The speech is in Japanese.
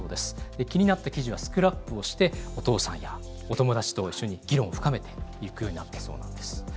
気になった記事はスクラップをしてお父さんやお友達と一緒に議論を深めていくようになったそうなんです。